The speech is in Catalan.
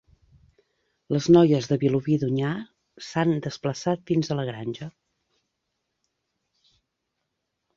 Les noies de Vilobí d'Onyar s'han desplaçat fins a la granja.